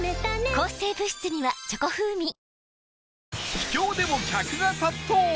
秘境でも客が殺到！